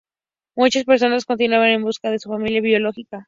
Muchas personas continúan en busca de su familia biológica.